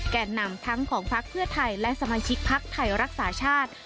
แก่นำทั้งของพักเพื่อไทยและสมาชิกพักไทยรักษาชาติ